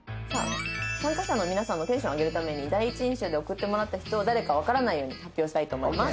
参加者の皆さんのテンションを上げるために第一印象で送ってもらった人を誰かわからないように発表したいと思います。